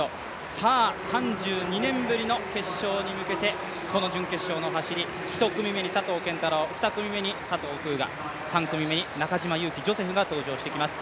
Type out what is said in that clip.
さあ、３２年ぶりの決勝に向けて、この準決勝の走り、１組目に佐藤拳太郎、２組目に佐藤風雅３組目に中島佑気ジョセフが登場してきます。